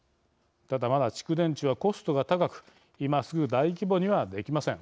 ただまだ蓄電池はコストが高く今すぐ大規模にはできません。